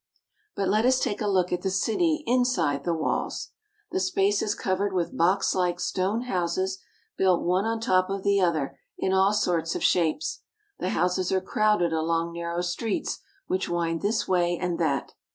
But let us take a look at the city inside the walls. The space is covered with boxlike stone houses built one on top of the other in all sorts of shapes. The houses are crowded along narrow streets which wind this way and that.